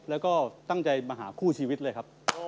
แล้วก็ตั้งใจมาหาคู่ชีวิตเลยครับ